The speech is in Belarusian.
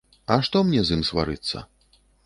А што мне з ім сварыцца?